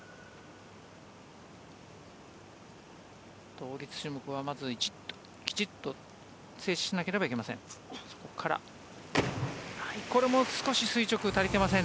倒立種目はまずきちっと静止しないといけません。